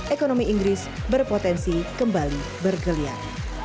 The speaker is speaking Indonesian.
ekonomi inggris berpotensi kembali bergeliat